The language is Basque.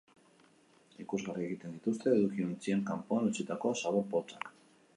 Ikusgarri egin dituzte edukiontzien kanpoan utzitako zabor-poltsak.